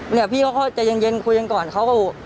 เออพี่เขาเจ๋งเย็นคุยกันก่อนเขาก็บอก